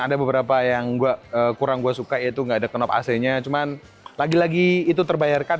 ada beberapa yang gue kurang gue suka itu nggak ada kenap ac nya cuman lagi lagi itu terbayarkan